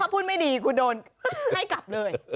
พูดไม่ดีคุณโดนให้กลับเลย